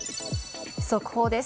速報です。